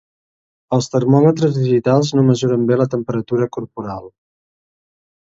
Els termòmetres digitals no mesuren bé la temperatura corporal